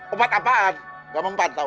obat apaan gak mempatau